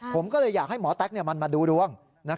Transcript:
ผมก็เลยอยากให้หมอแต๊กมันมาดูดวง